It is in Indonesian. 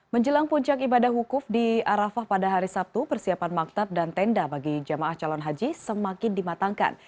menjelang puncak ibadah hukuf di arafah pada hari sabtu persiapan maktab dan tenda bagi jemaah calon haji semakin dimatangkan